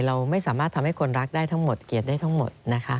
เราไม่สามารถทำให้คนรักได้ทั้งหมดเกลียดได้ทั้งหมดนะคะ